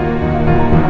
aku mau ke rumah sakit